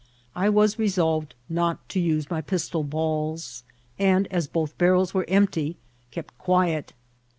I was resolved not to use my pistol balls, and as both barrels were empty, kept quiet.